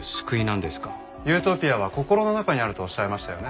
ユートピアは心の中にあるとおっしゃいましたよね。